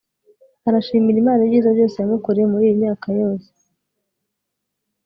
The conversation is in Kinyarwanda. arashimira imana ibyiza byose yamukoreye muri iyi myaka yose